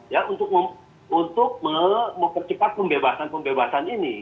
ya untuk mempercepat pembebasan pembebasan ini